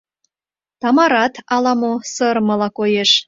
Тамарат ала-мо сырымыла коеш.